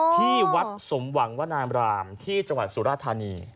ที่วัดสมหวังวนามรามที่จังหวัดสุราธานี